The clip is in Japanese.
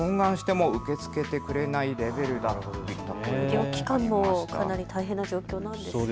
医療機関もかなり大変な状況なんですね。